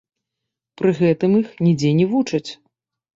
Пры гэтым іх нідзе не вучаць!